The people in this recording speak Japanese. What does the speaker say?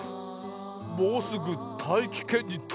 もうすぐたいきけんにとつにゅうだ。